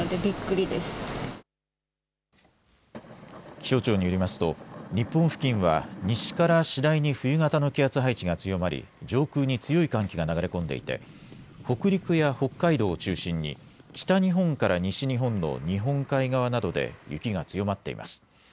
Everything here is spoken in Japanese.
気象庁によりますと日本付近は西から次第に冬型の気圧配置が強まり上空に強い寒気が流れ込んでいて北陸や北海道を中心に北日本から西日本の日本海側などで雪が強まっています。